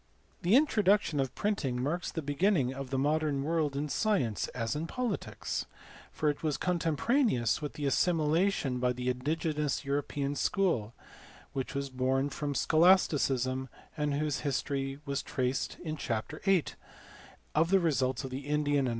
The introduction of printing marks the beginning of the modern world in science as in politics; for it was contempo raneous with the assimilation by the indigenous European school (which was born from scholasticism, and whose history was traced in chapter vm.) of the results of the Indian and